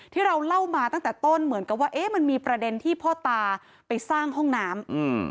ที่เราเล่ามาตั้งแต่ต้นเหมือนกับว่าเอ๊ะมันมีประเด็นที่พ่อตาไปสร้างห้องน้ำ